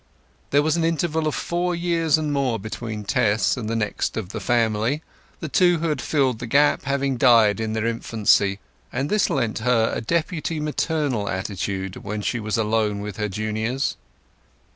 There was an interval of four years and more between Tess and the next of the family, the two who had filled the gap having died in their infancy, and this lent her a deputy maternal attitude when she was alone with her juniors.